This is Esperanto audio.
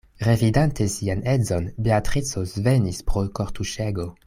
Revidante sian edzon, Beatrico svenis pro kortuŝego.